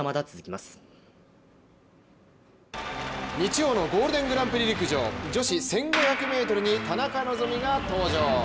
日曜のゴールデングランプリ陸上女子１５００ｍに田中希実が登場。